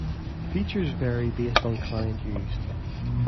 Features vary based on client used.